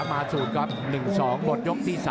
มาจุดกัน๑๒บลดยกที่๓